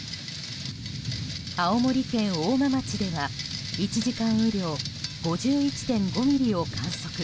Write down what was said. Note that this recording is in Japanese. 青森県大間町では１時間雨量５１．５ミリを観測。